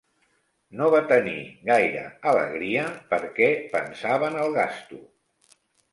No va tenir gaire alegria perquè pensava en el gasto